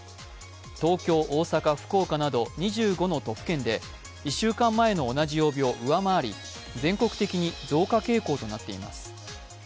東京、大阪、福岡など２５の都府県で１週間前の同じ曜日を上回り、全国的に増加傾向となっています。